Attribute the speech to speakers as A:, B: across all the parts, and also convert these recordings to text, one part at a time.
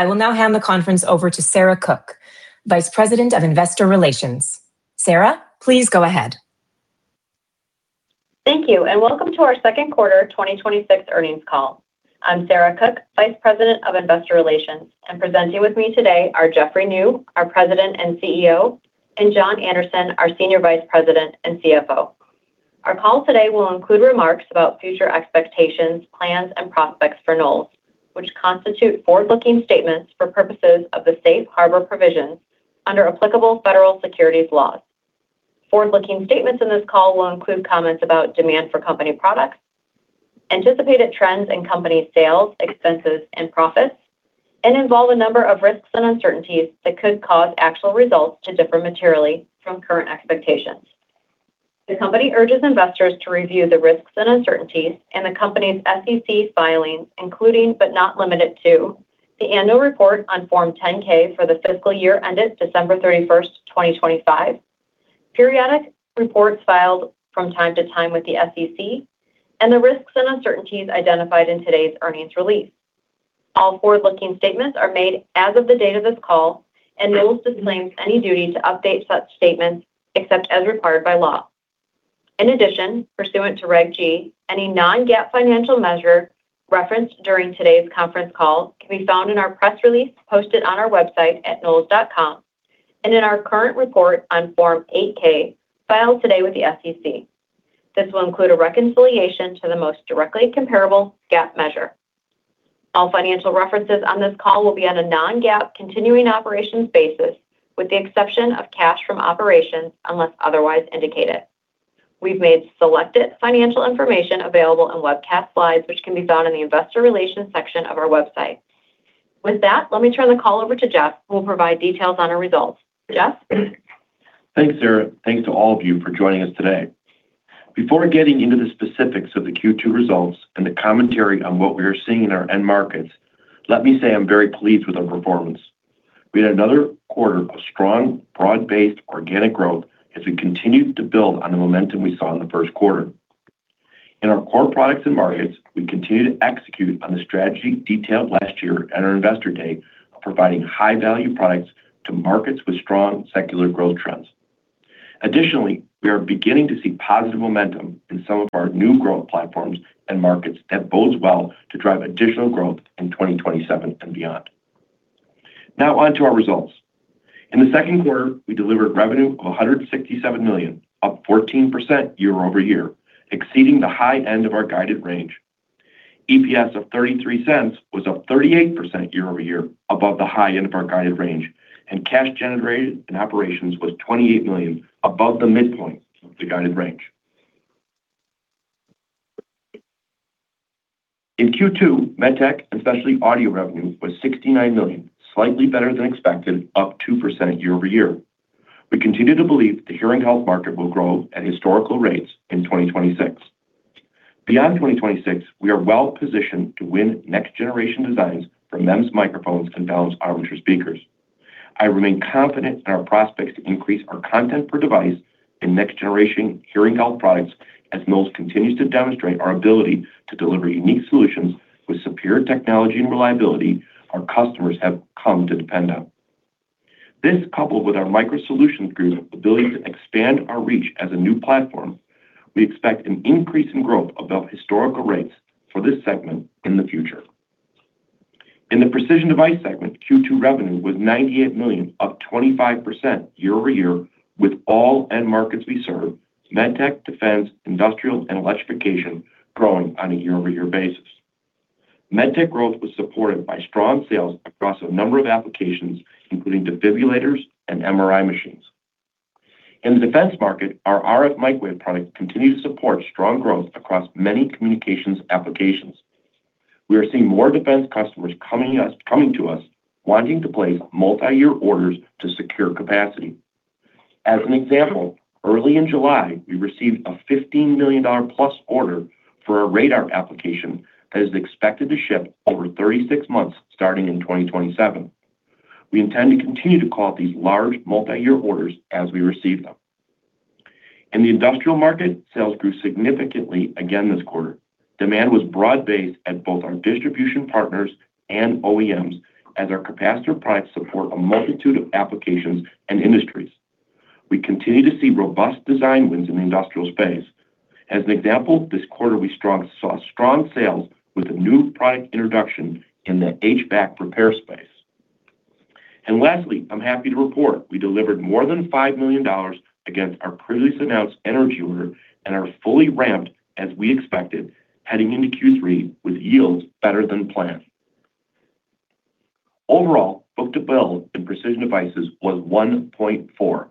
A: I will now hand the conference over to Sarah Cook, Vice President of Investor Relations. Sarah, please go ahead.
B: Thank you, and welcome to our Q2 2026 Earnings Call. I'm Sarah Cook, Vice President of Investor Relations, and presenting with me today are Jeffrey Niew, our President and CEO, and John Anderson, our Senior Vice President and CFO. Our call today will include remarks about future expectations, plans, and prospects for Knowles, which constitute forward-looking statements for purposes of the safe harbor provisions under applicable federal securities laws. Forward-looking statements in this call will include comments about demand for company products, anticipated trends in company sales, expenses and profits, and involve a number of risks and uncertainties that could cause actual results to differ materially from current expectations. The company urges investors to review the risks and uncertainties in the company's SEC filings, including but not limited to the annual report on Form 10-K for the fiscal year ended December 31, 2025, periodic reports filed from time to time with the SEC, and the risks and uncertainties identified in today's earnings release. All forward-looking statements are made as of the date of this call. Knowles disclaims any duty to update such statements except as required by law. In addition, pursuant to Regulation G, any non-GAAP financial measure referenced during today's conference call can be found in our press release posted on our website at knowles.com and in our current report on Form 8-K filed today with the SEC. This will include a reconciliation to the most directly comparable GAAP measure. All financial references on this call will be on a non-GAAP continuing operations basis, with the exception of cash from operations, unless otherwise indicated. We've made selected financial information available in webcast slides, which can be found in the investor relations section of our website. With that, let me turn the call over to Jeff, who will provide details on our results. Jeff?
C: Thanks, Sarah. Thanks to all of you for joining us today. Before getting into the specifics of the Q2 results and the commentary on what we are seeing in our end markets, let me say I'm very pleased with our performance. We had another quarter of strong, broad-based organic growth as we continue to build on the momentum we saw in the Q1. In our core products and markets, we continue to execute on the strategy detailed last year at our Investor Day of providing high-value products to markets with strong secular growth trends. Additionally, we are beginning to see positive momentum in some of our new growth platforms and markets that bodes well to drive additional growth in 2027 and beyond. On to our results. In the Q2, we delivered revenue of $167 million, up 14% year-over-year, exceeding the high end of our guided range. EPS of $0.33 was up 38% year-over-year above the high end of our guided range, and cash generated in operations was $28 million, above the midpoint of the guided range. In Q2, MedTech and Specialty Audio revenue was $69 million, slightly better than expected, up 2% year-over-year. We continue to believe the hearing health market will grow at historical rates in 2026. Beyond 2026, we are well positioned to win next-generation designs for MEMS microphones and balanced armature speakers. I remain confident in our prospects to increase our content per device in next generation hearing health products as Knowles continues to demonstrate our ability to deliver unique solutions with superior technology and reliability our customers have come to depend on. This, coupled with our Micro Solutions Group ability to expand our reach as a new platform, we expect an increase in growth above historical rates for this segment in the future. In the Precision Devices segment, Q2 revenue was $98 million, up 25% year-over-year with all end markets we serve, MedTech, defense, industrial, and electrification, growing on a year-over-year basis. MedTech growth was supported by strong sales across a number of applications, including defibrillators and MRI machines. In the defense market, our RF microwave products continue to support strong growth across many communications applications. We are seeing more defense customers coming to us wanting to place multi-year orders to secure capacity. As an example, early in July, we received a $15 million plus order for a radar application that is expected to ship over 36 months starting in 2027. We intend to continue to call out these large multi-year orders as we receive them. In the industrial market, sales grew significantly again this quarter. Demand was broad-based at both our distribution partners and OEMs as our capacitor products support a multitude of applications and industries. We continue to see robust design wins in the industrial space. As an example, this quarter we saw strong sales with a new product introduction in the HVAC repair space. Lastly, I'm happy to report we delivered more than $5 million against our previously announced energy order and are fully ramped as we expected, heading into Q3 with yields better than planned. Overall, book-to-bill in Precision Devices was 1.4.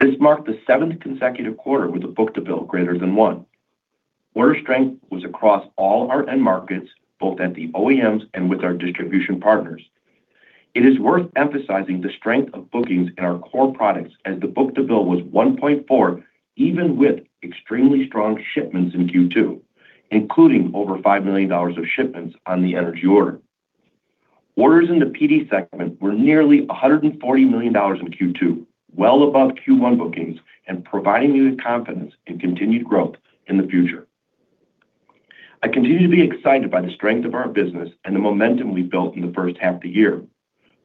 C: This marked the seventh consecutive quarter with a book-to-bill greater than one. Order strength was across all our end markets, both at the OEMs and with our distribution partners. It is worth emphasizing the strength of bookings in our core products as the book-to-bill was 1.4 even with extremely strong shipments in Q2, including over $5 million of shipments on the energy order. Orders in the PD segment were nearly $140 million in Q2, well above Q1 bookings and providing me with confidence in continued growth in the future. I continue to be excited by the strength of our business and the momentum we've built in the first half of the year.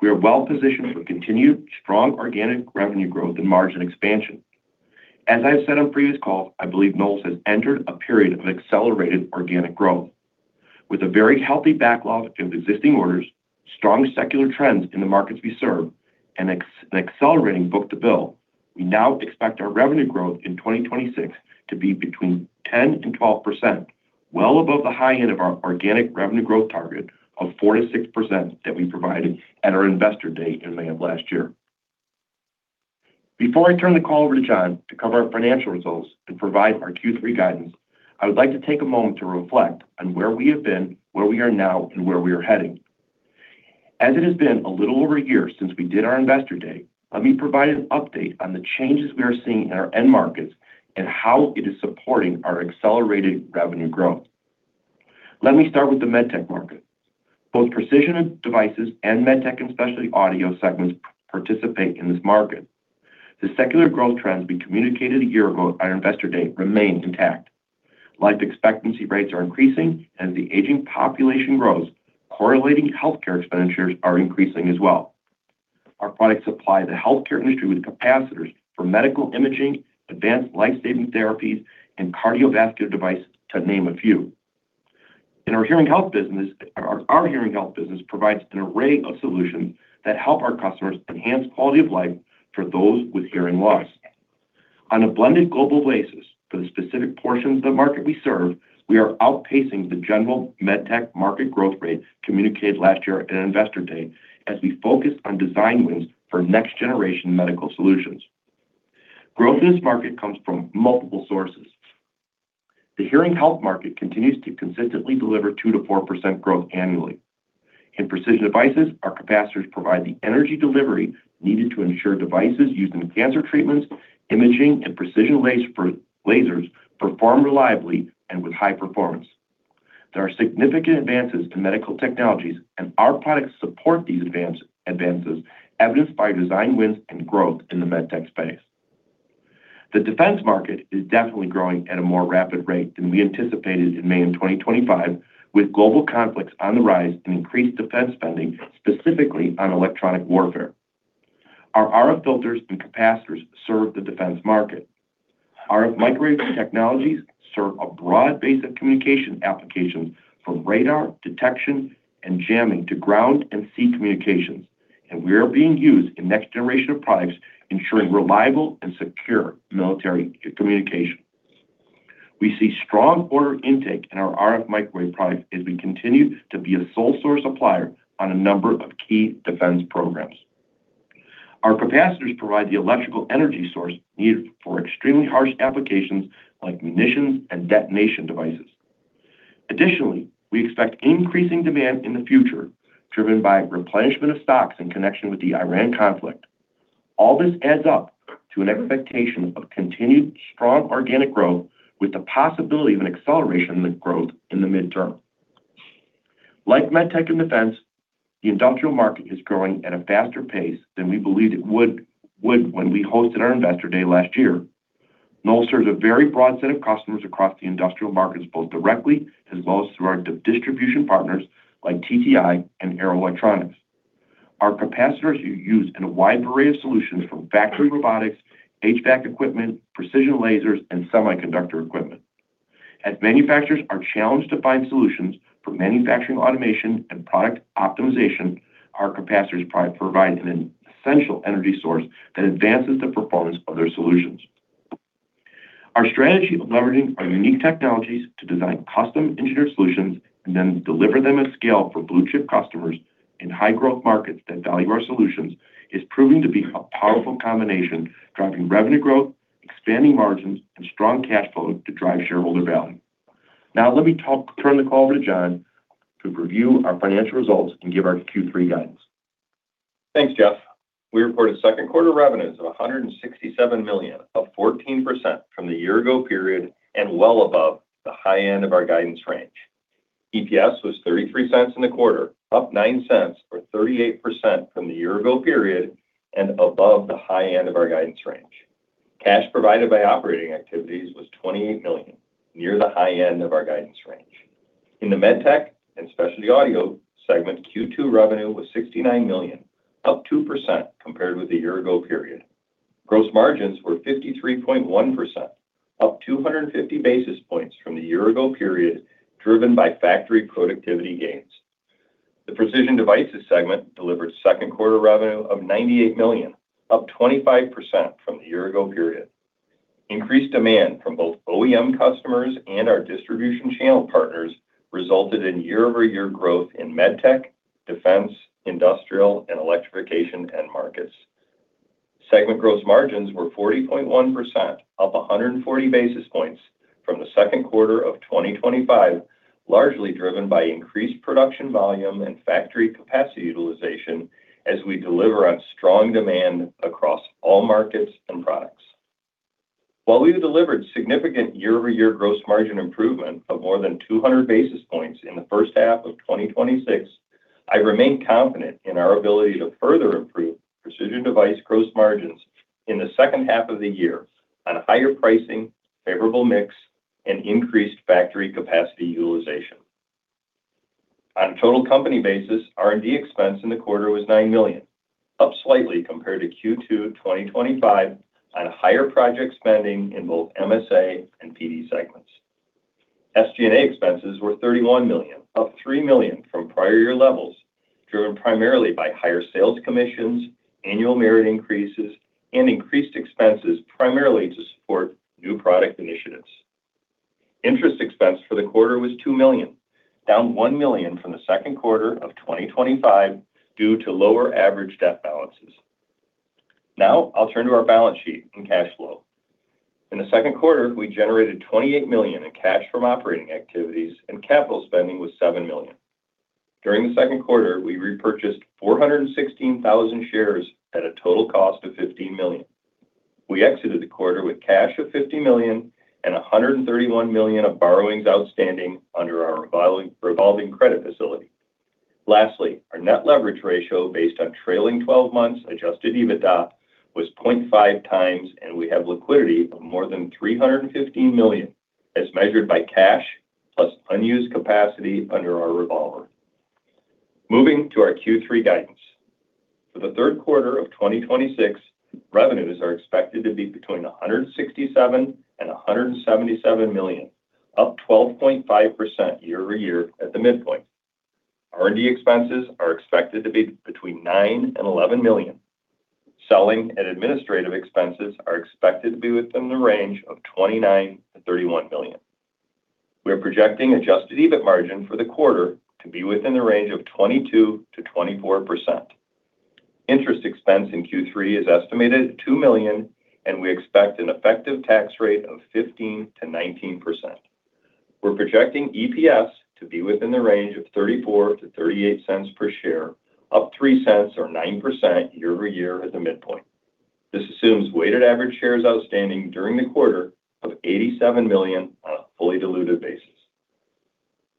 C: We are well-positioned for continued strong organic revenue growth and margin expansion. As I have said on previous calls, I believe Knowles has entered a period of accelerated organic growth. With a very healthy backlog of existing orders, strong secular trends in the markets we serve, and accelerating book-to-bill, we now expect our revenue growth in 2026 to be between 10% and 12%, well above the high end of our organic revenue growth target of 4% to 6% that we provided at our Investor Day in May of last year. Before I turn the call over to John to cover our financial results and provide our Q3 guidance, I would like to take a moment to reflect on where we have been, where we are now, and where we are heading. As it has been a little over a year since we did our Investor Day, let me provide an update on the changes we are seeing in our end markets and how it is supporting our accelerated revenue growth. Let me start with the MedTech market. Both Precision Devices and MedTech & Specialty Audio segments participate in this market. The secular growth trends we communicated a year ago at our Investor Day remain intact. Life expectancy rates are increasing. As the aging population grows, correlating healthcare expenditures are increasing as well. Our products supply the healthcare industry with capacitors for medical imaging, advanced life-saving therapies, and cardiovascular devices, to name a few. Our hearing health business provides an array of solutions that help our customers enhance quality of life for those with hearing loss. On a blended global basis for the specific portions of the market we serve, we are outpacing the general MedTech market growth rate communicated last year at Investor Day as we focus on design wins for next generation medical solutions. Growth in this market comes from multiple sources. The hearing health market continues to consistently deliver 2% to 4% growth annually. In Precision Devices, our capacitors provide the energy delivery needed to ensure devices used in cancer treatments, imaging, and precision lasers perform reliably and with high performance. There are significant advances in medical technologies, and our products support these advances, evidenced by design wins and growth in the MedTech space. The defense market is definitely growing at a more rapid rate than we anticipated in May of 2025, with global conflicts on the rise and increased defense spending, specifically on electronic warfare. Our RF filters and capacitors serve the defense market. RF microwave technologies serve a broad base of communication applications from radar detection and jamming to ground and sea communications, and we are being used in next generation of products, ensuring reliable and secure military communication. We see strong order intake in our RF microwave products as we continue to be a sole source supplier on a number of key defense programs. Our capacitors provide the electrical energy source needed for extremely harsh applications like munitions and detonation devices. Additionally, we expect increasing demand in the future driven by replenishment of stocks in connection with the Iran conflict. All this adds up to an expectation of continued strong organic growth with the possibility of an acceleration of the growth in the midterm. Like MedTech and defense, the industrial market is growing at a faster pace than we believed it would when we hosted our Investor Day last year. Knowles serves a very broad set of customers across the industrial markets, both directly as well as through our distribution partners like TTI and Arrow Electronics. Our capacitors are used in a wide array of solutions from factory robotics, HVAC equipment, precision lasers, and semiconductor equipment. As manufacturers are challenged to find solutions for manufacturing automation and product optimization, our capacitors provide an essential energy source that advances the performance of their solutions. Our strategy of leveraging our unique technologies to design custom engineered solutions and then deliver them at scale for blue chip customers in high growth markets that value our solutions is proving to be a powerful combination, driving revenue growth, expanding margins, and strong cash flow to drive shareholder value. Let me turn the call over to John to review our financial results and give our Q3 guidance.
D: Thanks, Jeff. We reported Q2 revenues of $167 million, up 14% from the year-ago period and well above the high end of our guidance range. EPS was $0.33 in the quarter, up $0.09, or 38% from the year-ago period, and above the high end of our guidance range. Cash provided by operating activities was $28 million, near the high end of our guidance range. In the MedTech & Specialty Audio segment, Q2 revenue was $69 million, up 2% compared with the year-ago period. Gross margins were 53.1%, up 250 basis points from the year-ago period, driven by factory productivity gains. The Precision Devices segment delivered Q2 revenue of $98 million, up 25% from the year-ago period. Increased demand from both OEM customers and our distribution channel partners resulted in year-over-year growth in MedTech, defense, industrial, and electrification end markets. Segment gross margins were 40.1%, up 140 basis points from the Q2 of 2025, largely driven by increased production volume and factory capacity utilization as we deliver on strong demand across all markets and products. While we've delivered significant year-over-year gross margin improvement of more than 200 basis points in the first half of 2026, I remain confident in our ability to further improve Precision Devices gross margins in the second half of the year on higher pricing, favorable mix, and increased factory capacity utilization. On a total company basis, R&D expense in the quarter was $9 million, up slightly compared to Q2 2025 on higher project spending in both MSA and PD segments. SG&A expenses were $31 million, up $3 million from prior year levels, driven primarily by higher sales commissions, annual merit increases, and increased expenses, primarily to support new product initiatives. Interest expense for the quarter was $2 million, down $1 million from the Q2 of 2025 due to lower average debt balances. I'll turn to our balance sheet and cash flow. In the Q2, we generated $28 million in cash from operating activities, and capital spending was $7 million. During the Q2, we repurchased 416,000 shares at a total cost of $15 million. We exited the quarter with cash of $50 million and $131 million of borrowings outstanding under our revolving credit facility. Our net leverage ratio based on trailing 12 months adjusted EBITDA was 0.5x, and we have liquidity of more than $315 million, as measured by cash plus unused capacity under our revolver. To our Q3 guidance. For the Q3 of 2026, revenues are expected to be between $167 million and $177 million, up 12.5% year-over-year at the midpoint. R&D expenses are expected to be between $9 million and $11 million. Selling and administrative expenses are expected to be within the range of $29 million to $31 million. We are projecting adjusted EBIT margin for the quarter to be within the range of 22%-24%. Interest expense in Q3 is estimated at $2 million, and we expect an effective tax rate of 15%-19%. We're projecting EPS to be within the range of $0.34-$0.38 per share, up $0.03 or 9% year-over-year at the midpoint. This assumes weighted average shares outstanding during the quarter of 87 million on a fully diluted basis.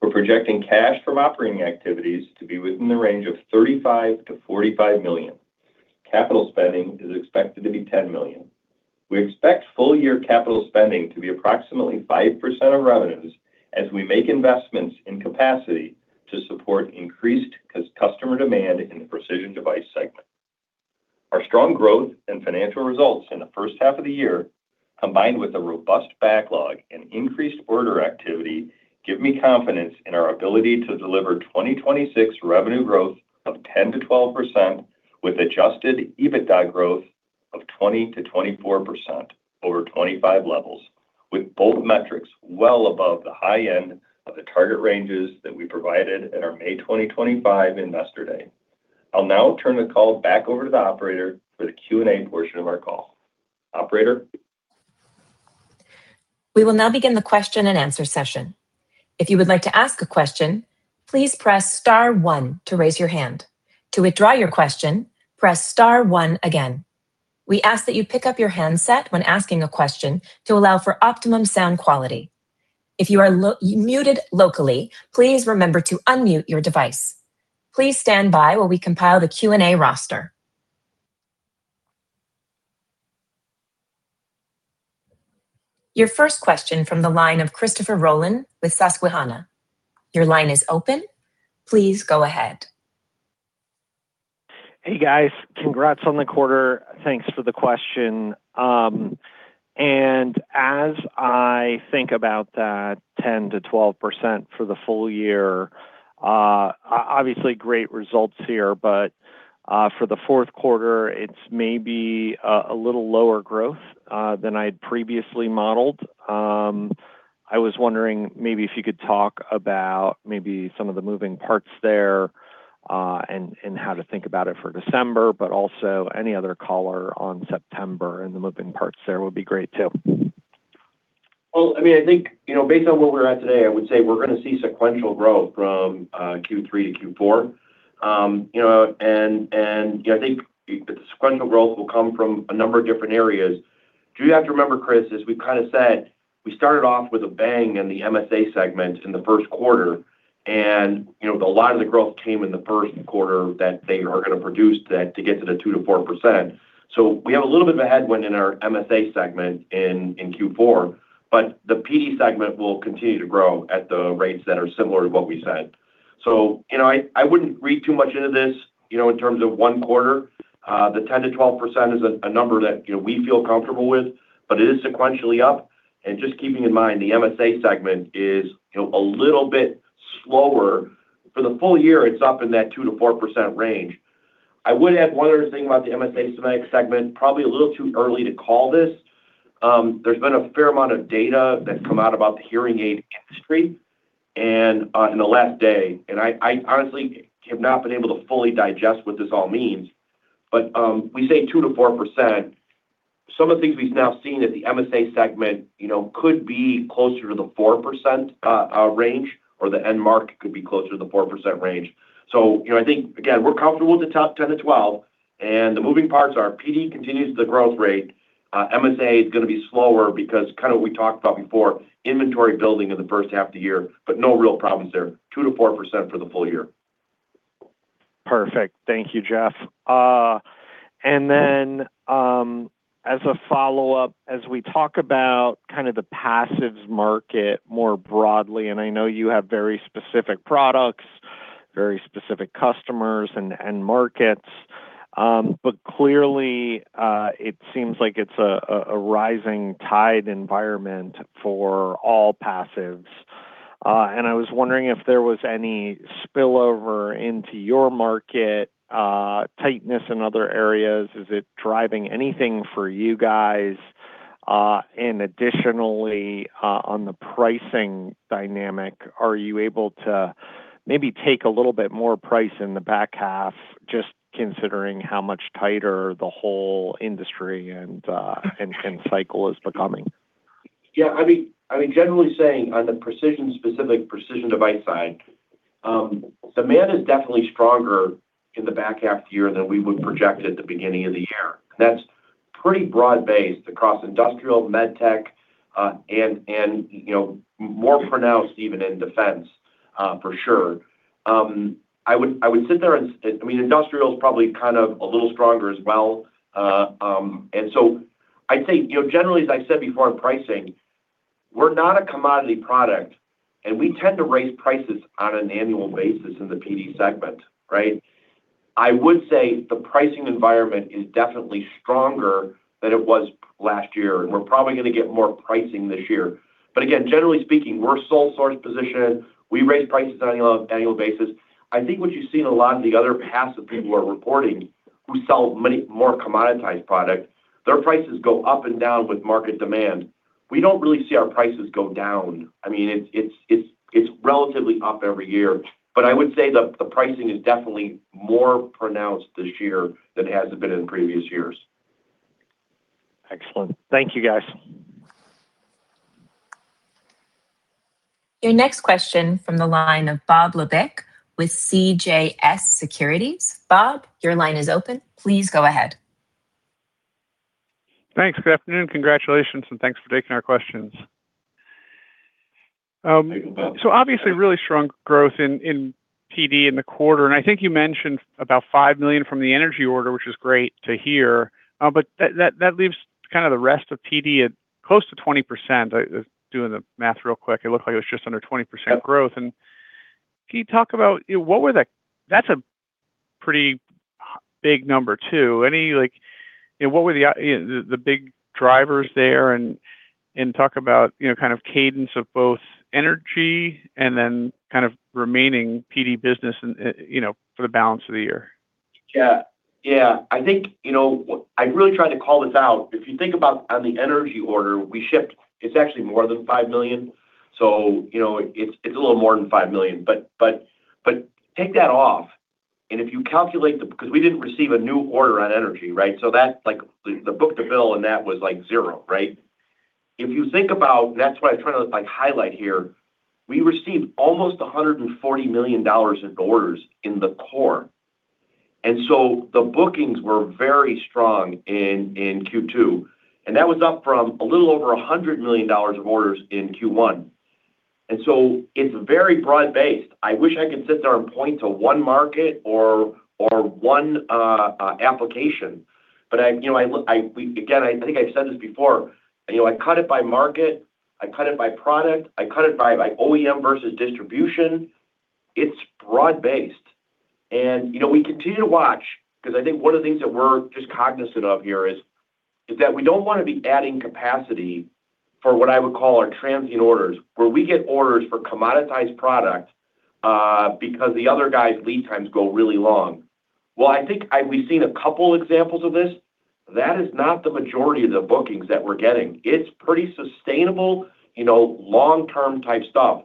D: We're projecting cash from operating activities to be within the range of $35 million to $45 million. Capital spending is expected to be $10 million. We expect full year capital spending to be approximately 5% of revenues as we make investments in capacity to support increased customer demand in the Precision Devices segment. Our strong growth and financial results in the first half of the year, combined with a robust backlog and increased order activity, give me confidence in our ability to deliver 2026 revenue growth of 10%-12% with adjusted EBITDA growth of 20%-24% over 2025 levels, with both metrics well above the high end of the target ranges that we provided at our May 2025 Investor Day. I'll now turn the call back over to the operator for the Q&A portion of our call. Operator?
A: We will now begin the question-and-answer session. If you would like to ask a question, please press *1 to raise your hand. To withdraw your question, press *1 again. We ask that you pick up your handset when asking a question to allow for optimum sound quality. If you are muted locally, please remember to unmute your device. Please stand by while we compile the Q&A roster. Your first question from the line of Christopher Rolland with Susquehanna. Your line is open. Please go ahead.
E: Hey, guys. Congrats on the quarter. Thanks for the question. As I think about that 10%-12% for the full year, obviously great results here, but for the Q4, it's maybe a little lower growth than I had previously modeled. I was wondering maybe if you could talk about maybe some of the moving parts there, and how to think about it for December, but also any other color on September and the moving parts there would be great too.
C: Well, I think based on where we're at today, I would say we're going to see sequential growth from Q3 to Q4. I think the sequential growth will come from a number of different areas. You have to remember, Chris, as we kind of said, we started off with a bang in the MSA segment in the Q1, and a lot of the growth came in the Q1 that they are going to produce that to get to the 2%-4%. We have a little bit of a headwind in our MSA segment in Q4, but the PD segment will continue to grow at the rates that are similar to what we said. I wouldn't read too much into this in terms of one quarter. The 10%-12% is a number that we feel comfortable with, but it is sequentially up. Just keeping in mind, the MSA segment is a little bit slower. For the full year, it's up in that 2%-4% range. I would add one other thing about the MSA segment, probably a little too early to call this. There's been a fair amount of data that's come out about the hearing aid industry in the last day, and I honestly have not been able to fully digest what this all means. We say 2%-4%. Some of the things we've now seen at the MSA segment could be closer to the 4% range, or the end mark could be closer to the 4% range. I think, again, we're comfortable with the top 10%-12%, and the moving parts are PD continues the growth rate. MSA is going to be slower because kind of what we talked about before, inventory building in the first half of the year, but no real problems there. 2%-4% for the full year.
E: Perfect. Thank you, Jeff. As a follow-up, as we talk about kind of the passives market more broadly, I know you have very specific products, very specific customers and markets, clearly it seems like it's a rising tide environment for all passives. I was wondering if there was any spillover into your market, tightness in other areas. Is it driving anything for you guys? Additionally, on the pricing dynamic, are you able to maybe take a little bit more price in the back half, just considering how much tighter the whole industry and cycle is becoming?
C: Yeah. Generally saying, on the Precision Devices side, demand is definitely stronger in the back half year than we would project at the beginning of the year. That's pretty broad-based across industrial, MedTech, and more pronounced even in defense, for sure. Industrial is probably kind of a little stronger as well. I'd say, generally, as I said before on pricing, we're not a commodity product, we tend to raise prices on an annual basis in the PD segment. Right? I would say the pricing environment is definitely stronger than it was last year, we're probably going to get more pricing this year. Again, generally speaking, we're sole source positioned. We raise prices on an annual basis. I think what you've seen a lot in the other passive people are reporting, who sell many more commoditized product, their prices go up and down with market demand. We don't really see our prices go down. It's relatively up every year. I would say the pricing is definitely more pronounced this year than it has been in previous years.
E: Excellent. Thank you, guys.
A: Your next question from the line of Bob Labick with CJS Securities. Bob, your line is open. Please go ahead.
F: Thanks. Good afternoon. Congratulations, and thanks for taking our questions. Obviously really strong growth in PD in the quarter, and I think you mentioned about $5 million from the energy order, which is great to hear. That leaves kind of the rest of PD at close to 20%. Doing the math real quick, it looked like it was just under 20% growth. Can you talk about what were the big drivers there? That's a pretty big number, too. Talk about kind of cadence of both energy and then kind of remaining PD business for the balance of the year.
C: I really tried to call this out. If you think about on the energy order we shipped, it's actually more than $5 million. It's a little more than $5 million. Take that off, and if you calculate, because we didn't receive a new order on energy, right? The book-to-bill on that was zero, right? If you think about, that's what I was trying to highlight here, we received almost $140 million in orders in the core. The bookings were very strong in Q2, and that was up from a little over $100 million of orders in Q1. It's very broad-based. I wish I could sit there and point to one market or one application, but again, I think I've said this before. I cut it by market. I cut it by product. I cut it by OEM versus distribution. It's broad-based. We continue to watch, because I think one of the things that we're just cognizant of here is that we don't want to be adding capacity for what I would call our transient orders, where we get orders for commoditized product because the other guy's lead times go really long. While I think we've seen a couple examples of this, that is not the majority of the bookings that we're getting. It's pretty sustainable, long-term type stuff.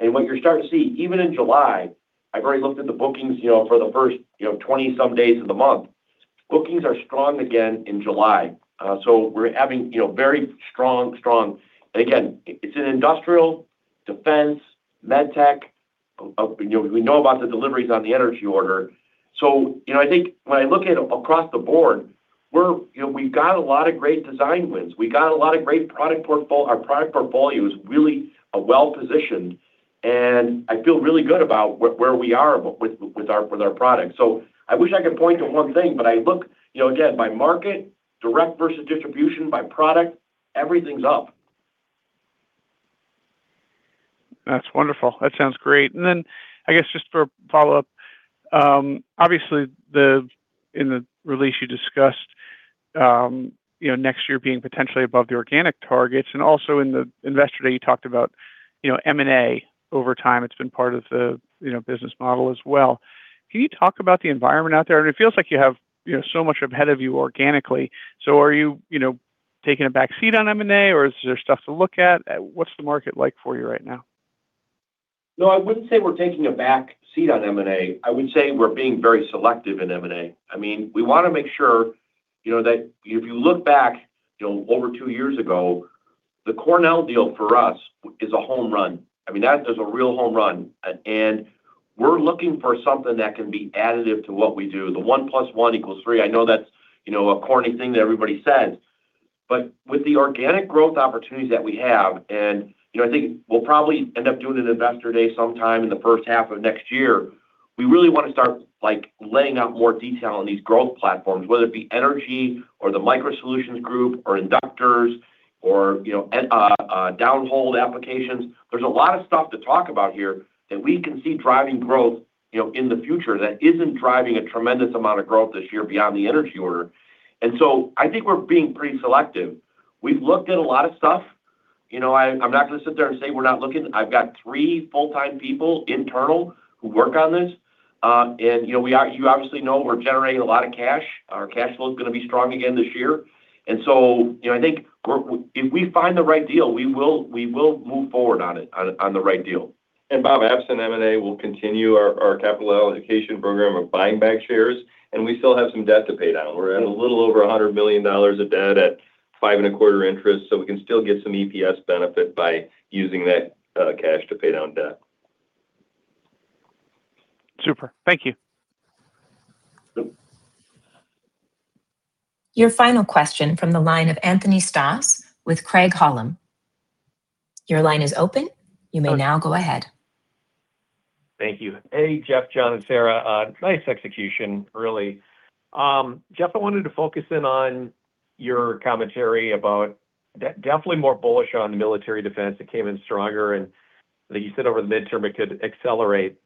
C: What you're starting to see, even in July, I've already looked at the bookings for the first 20-some days of the month. Bookings are strong again in July. We're having very strong. Again, it's an industrial, defense, MedTech. We know about the deliveries on the energy order. I think when I look at across the board, we've got a lot of great design wins. Our product portfolio is really well-positioned, and I feel really good about where we are with our products. I wish I could point to one thing, but I look, again, by market, direct versus distribution, by product, everything's up.
F: That's wonderful. That sounds great. I guess just for follow-up, obviously in the release you discussed next year being potentially above the organic targets, and also in the Investor Day, you talked about M&A over time. It's been part of the business model as well. Can you talk about the environment out there? It feels like you have so much ahead of you organically. Are you taking a back seat on M&A, or is there stuff to look at? What's the market like for you right now?
C: No, I wouldn't say we're taking a back seat on M&A. I would say we're being very selective in M&A. We want to make sure that if you look back over two years ago, the Cornell deal for us is a home run. That is a real home run. We're looking for something that can be additive to what we do. The one plus one equals three, I know that's a corny thing that everybody says, but with the organic growth opportunities that we have, I think we'll probably end up doing an Investor Day sometime in the first half of next year. We really want to start laying out more detail on these growth platforms, whether it be energy or the Micro Solutions Group, or inductors, or downhole applications. There's a lot of stuff to talk about here that we can see driving growth in the future that isn't driving a tremendous amount of growth this year beyond the energy order. I think we're being pretty selective. We've looked at a lot of stuff. I'm not going to sit there and say we're not looking. I've got three full-time people internal who work on this. You obviously know we're generating a lot of cash. Our cash flow is going to be strong again this year. I think if we find the right deal, we will move forward on it, on the right deal.
D: Bob, absent M&A, we'll continue our capital allocation program of buying back shares, and we still have some debt to pay down. We're at a little over $100 million of debt at 5.25% interest, so we can still get some EPS benefit by using that cash to pay down debt.
F: Super. Thank you.
A: Your final question from the line of Anthony Stoss with Craig-Hallum. Your line is open. You may now go ahead.
G: Thank you. Hey, Jeff, John, and Sarah. Nice execution, really. Jeff, I wanted to focus in on your commentary about definitely more bullish on military defense. It came in stronger, and that you said over the midterm it could accelerate.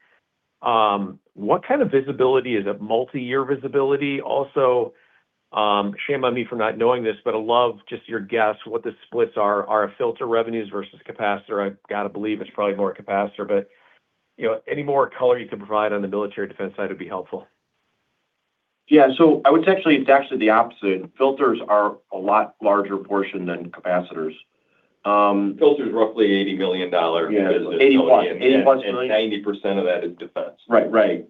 G: What kind of visibility? Is it multi-year visibility? Also, shame on me for not knowing this, but I'd love just your guess what the splits are, our filter revenues versus capacitor. I've got to believe it's probably more capacitor, but any more color you can provide on the military defense side would be helpful.
C: Yeah. I would say it's actually the opposite. Filters are a lot larger portion than capacitors.
D: Filter's roughly $80 million business.
C: $80+ million.
D: 90% of that is defense.
C: Right.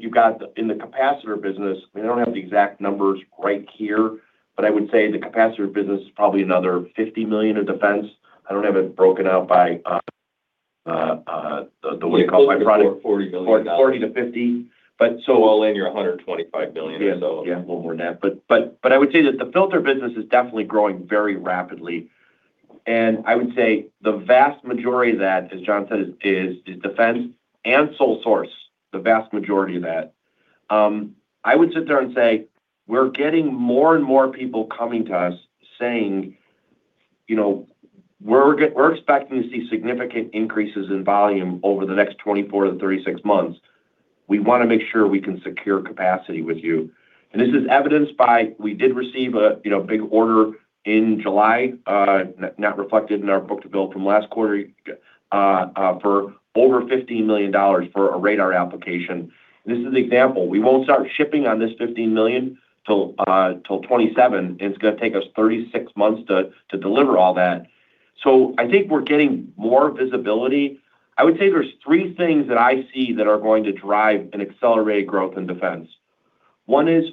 C: You've got in the capacitor business, we don't have the exact numbers right here, but I would say the capacitor business is probably another $50 million of defense. I don't have it broken out by the way you classify product.
D: Close to $40 million.
C: 40 to 50.
D: All in, you're $125 million or so.
C: Yeah. A little more than that. I would say that the filter business is definitely growing very rapidly, and I would say the vast majority of that, as John said, is defense and sole source, the vast majority of that. I would sit there and say we're getting more and more people coming to us saying, "We're expecting to see significant increases in volume over the next 24 to 36 months. We want to make sure we can secure capacity with you." This is evidenced by, we did receive a big order in July, not reflected in our book-to-bill from last quarter, for over $15 million for a radar application. This is the example. We won't start shipping on this $15 million till 2027. It's going to take us 36 months to deliver all that. I think we're getting more visibility. I would say there's three things that I see that are going to drive an accelerated growth in defense. One is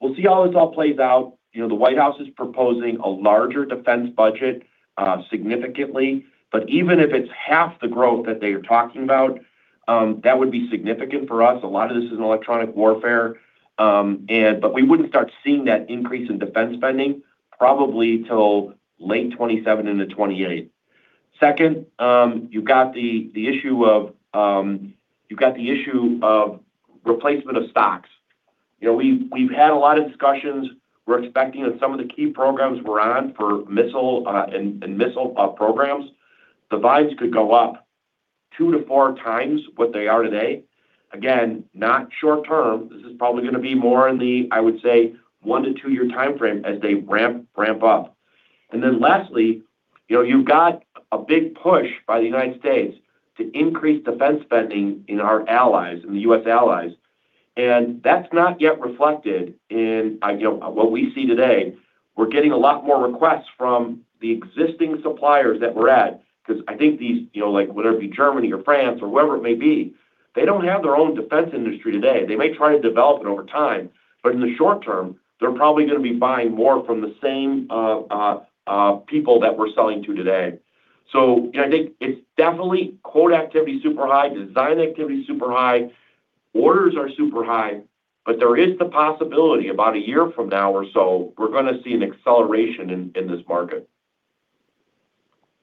C: we'll see how this all plays out. The White House is proposing a larger defense budget significantly, even if it's half the growth that they are talking about, that would be significant for us. A lot of this is in electronic warfare. We wouldn't start seeing that increase in defense spending probably till late 2027 into 2028. Second, you've got the issue of replacement of stocks. We've had a lot of discussions. We're expecting that some of the key programs we're on for missile and missile programs, the buys could go up two to four times what they are today. Again, not short term. This is probably going to be more in the, I would say, one to two-year timeframe as they ramp up. Lastly, you've got a big push by the U.S. to increase defense spending in our allies, in the U.S. allies, and that's not yet reflected in what we see today. We're getting a lot more requests from the existing suppliers that we're at because I think these, whether it be Germany or France or whoever it may be, they don't have their own defense industry today. They may try to develop it over time, but in the short term, they're probably going to be buying more from the same people that we're selling to today. I think it's definitely, quote activity super high, design activity super high. Orders are super high, but there is the possibility about one year from now or so, we're going to see an acceleration in this market.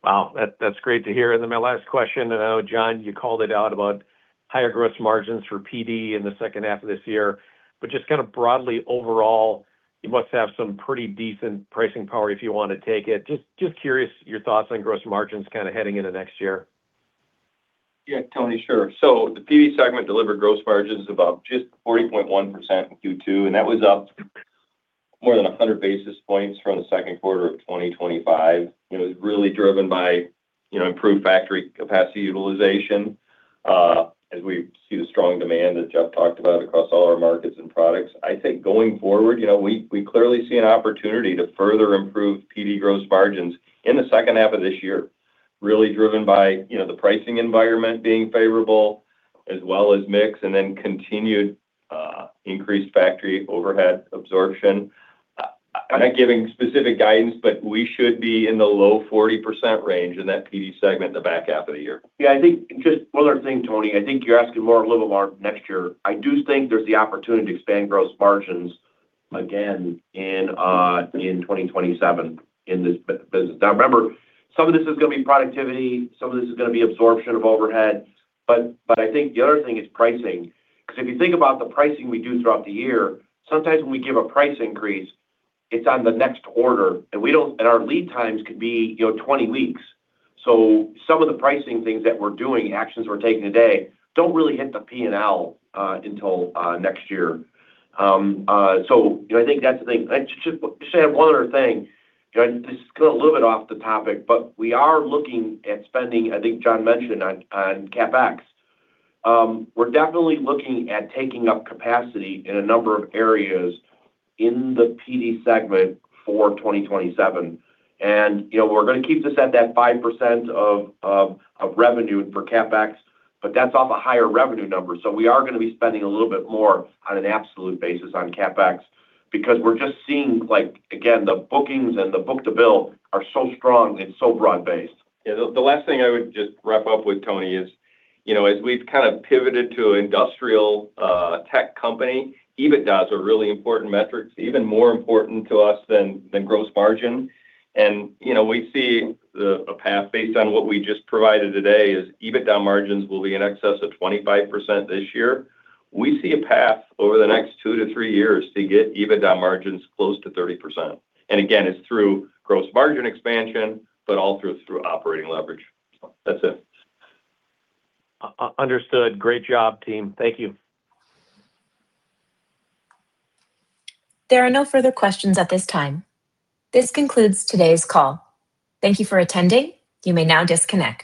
G: Wow. That's great to hear. My last question. I know, John, you called it out about higher gross margins for PD in the second half of this year, but just kind of broadly overall, you must have some pretty decent pricing power if you want to take it. Just curious your thoughts on gross margins kind of heading into next year.
D: Yeah, Tony. Sure. The PD segment delivered gross margins about 40.1% in Q2, and that was up more than 100 basis points from the Q2 of 2025. It was really driven by improved factory capacity utilization as we see the strong demand that Jeff talked about across all our markets and products. I think going forward, we clearly see an opportunity to further improve PD gross margins in the second half of this year, really driven by the pricing environment being favorable as well as mix, and then continued increased factory overhead absorption. I'm not giving specific guidance, but we should be in the low 40% range in that PD segment in the back half of the year.
C: Yeah, I think just one other thing, Tony, I think you're asking more a little more next year. I do think there's the opportunity to expand gross margins again in 2027 in this business. Remember, some of this is going to be productivity, some of this is going to be absorption of overhead, but I think the other thing is pricing. If you think about the pricing we do throughout the year, sometimes when we give a price increase, it's on the next order, and our lead times could be 20 weeks. Some of the pricing things that we're doing, actions we're taking today, don't really hit the P&L until next year. I think that's the thing. Just saying one other thing. This is going a little bit off the topic, but we are looking at spending, I think John mentioned on CapEx. We're definitely looking at taking up capacity in a number of areas in the PD segment for 2027. We're going to keep this at that 5% of revenue for CapEx, but that's off a higher revenue number. We are going to be spending a little bit more on an absolute basis on CapEx because we're just seeing, again, the bookings and the book-to-bill are so strong and so broad-based.
D: The last thing I would just wrap up with, Tony, is as we've kind of pivoted to an industrial tech company, EBITDA are really important metrics, even more important to us than gross margin. We see the path based on what we just provided today is EBITDA margins will be in excess of 25% this year. We see a path over the next two to three years to get EBITDA margins close to 30%. Again, it's through gross margin expansion, but also through operating leverage. That's it.
G: Understood. Great job, team. Thank you.
A: There are no further questions at this time. This concludes today's call. Thank you for attending. You may now disconnect.